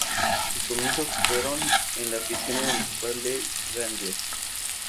Sus comienzos fueron en la piscina municipal de Gandía.